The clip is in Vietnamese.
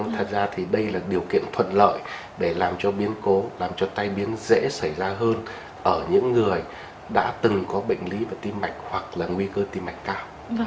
thật ra thì đây là điều kiện thuận lợi để làm cho biến cố làm cho tai biến dễ xảy ra hơn ở những người đã từng có bệnh lý và tim mạch hoặc là nguy cơ tim mạch cao